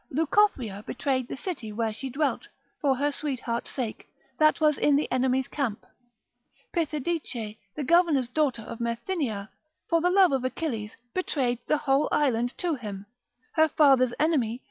Leucophria betrayed the city where she dwelt, for her sweetheart's sake, that was in the enemies' camp. Pithidice, the governor's daughter of Methinia, for the love of Achilles, betrayed the whole island to him, her father's enemy.